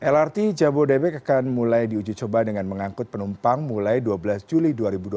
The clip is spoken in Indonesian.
lrt jambu dabek akan mulai diujicoba dengan mengangkut penumpang mulai dua belas juli dua ribu dua puluh tiga